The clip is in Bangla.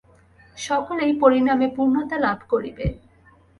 সকলেই পরিণামে পূর্ণতা লাভ করিবে।